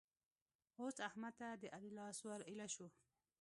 اوس احمد ته د علي لاس ور ايله شو.